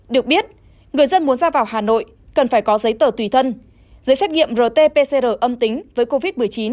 được biết người dân muốn ra vào hà nội cần phải có giấy tờ tùy thân giấy xét nghiệm rt pcr âm tính với covid một mươi chín